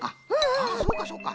あそうかそうか。